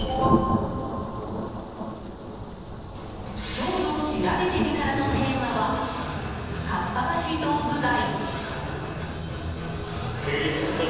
今日のしらべてみたらのテーマは、かっぱ橋道具街。